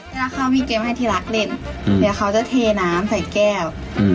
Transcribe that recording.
ถ้าเขามีเกมให้ที่รักเล่นเดี๋ยวเขาจะเทน้ำใส่แก้ว